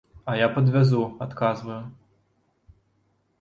А я падвязу, адказваю.